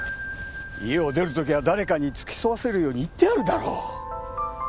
家を出る時は誰かに付き添わせるように言ってあるだろう。